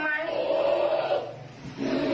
ไม่ไม่จับปลาแล้วนะ